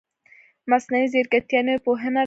مصنوعي ځیرکتیا نوې پوهنه ده